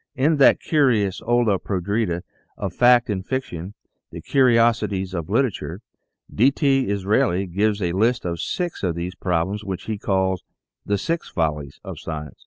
In that curious olla podrida of fact and fiction, "The Curiosities of Literature," DTsraeli gives a list of six of these prob lems, which he calls "The Six Follies of Science."